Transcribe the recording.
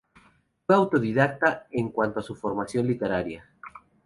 Fue autodidacta en cuanto a su formación literaria.